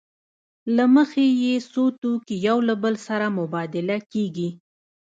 له مخې یې څو توکي یو له بل سره مبادله کېږي